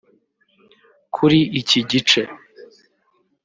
Kuri iki gice